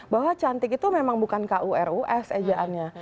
bahwa cantik itu memang bukan k u r u s ejaannya